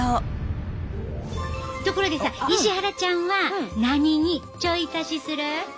ところでさ石原ちゃんは何にちょい足しする？